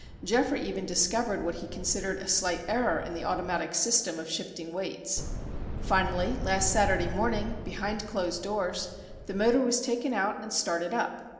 Geoffrey even discovered what he considered a slight error in the automatic system of shifting weights. Finally, last Saturday morning, behind closed doors, the motor was taken out and started up.